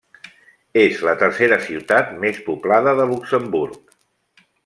És la tercera ciutat més poblada de Luxemburg.